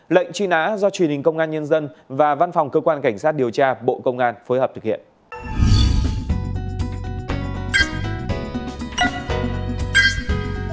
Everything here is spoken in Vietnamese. lệnh truy nã do truyền hình công an nhân dân và văn phòng cơ quan cảnh sát điều tra bộ công an phối hợp thực hiện